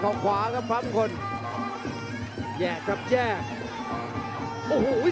โอ้โหไม่พลาดกับธนาคมโดโด้แดงเขาสร้างแบบนี้